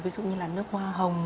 ví dụ như là nước hoa hồng